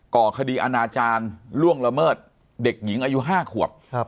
ก่อคดีอาณาจารย์ล่วงละเมิดเด็กหญิงอายุ๕ขวบ